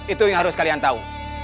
itu yang harus kalian tahu